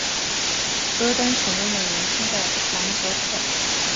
戈登询问了年轻的兰伯特。